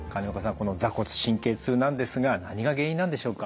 この坐骨神経痛なんですが何が原因なんでしょうか。